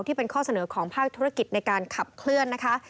ที่เป็นข้อเสนอของภาคธุรกิจในการขับเคลื่อนนะคะ